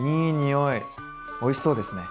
おいしそうですね。